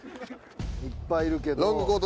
いっぱいいるけど。